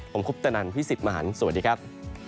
ผมคุปตนันพี่สิทธิ์มหันฯสวัสดีครับ